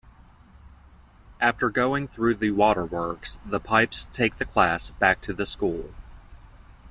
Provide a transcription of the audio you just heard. After going through the waterworks, the pipes take the class back to the school.